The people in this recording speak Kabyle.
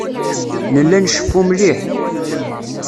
Nella nceffu mliḥ.